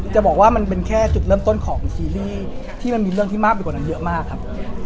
จะบอกว่ามันเป็นแค่จุดเริ่มต้นของซีรีส์ที่มันมีเรื่องที่มากไปกว่านั้นเยอะมากครับ